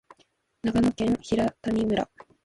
長野県平谷村